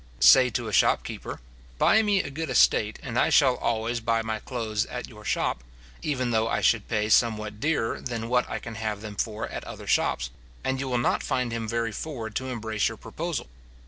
Say to a shopkeeper, Buy me a good estate, and I shall always buy my clothes at your shop, even though I should pay somewhat dearer than what I can have them for at other shops; and you will not find him very forward to embrace your proposal.